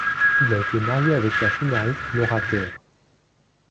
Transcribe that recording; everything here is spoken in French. Il a été marié avec la scénariste Laura Kerr.